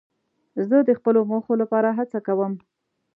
زه د خپلو موخو لپاره هڅه کوم.